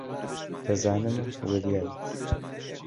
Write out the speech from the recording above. دەزانم وریایت.